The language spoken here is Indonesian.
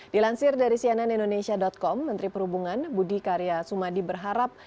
dilansir dari cnn indonesia com menteri perhubungan budi karya sumadi berharap